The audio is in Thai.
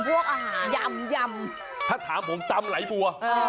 แบบถามผมจำไหล่บัว